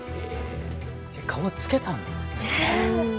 顔つけたんですね。ね！